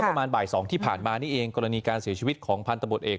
ประมาณบ่าย๒ที่ผ่านมานี่เองกรณีการเสียชีวิตของพันธบทเอก